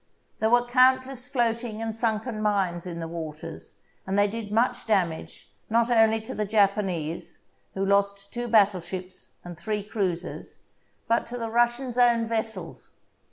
There THE BOOK OF FAMOUS SIEGES were countless floating and sunken mines in the waters, and they did much damage, not only to the Japanese, who lost two battleships and three cruis ers, but to the Russians' own vessels.